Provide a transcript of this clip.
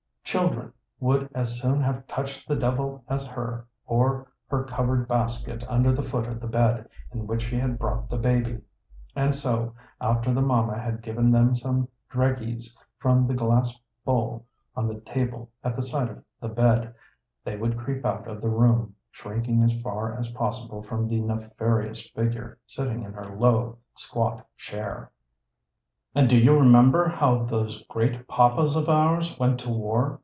Qiildren would as soon have touched the devil as her, or her covered basket under the foot of the bed, in which she had brought the baby. And so, after the Mama had given them some dragees from the glass bowl INTRODUCTION 5 on the table at the side of the bed, they would creep out of the room, shrinking as far as possible from the nefarious figure sitting in her low squat chair. And do you remember how those great Papas of ours went to war?